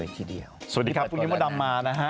สวัสดีครับพรุ่งนี้มดดำมานะฮะ